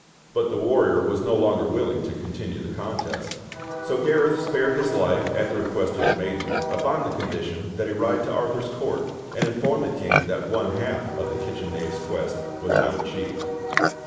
But the warrior was no longer willing to continue the contest; so Gareth spared his life at the request of the maiden upon the condition that he ride to Arthur's court and inform the King that one half of the kitchen knave's quest was now achieved.